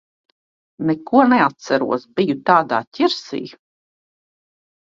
Neko neatceros. Biju tādā ķirsī.